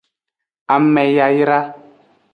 Ame yayra.